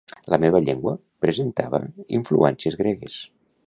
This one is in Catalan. La meva llengua presentava influències gregues.